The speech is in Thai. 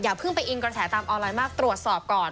เพิ่งไปอิงกระแสตามออนไลน์มากตรวจสอบก่อน